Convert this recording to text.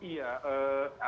tapi kalau kita lihat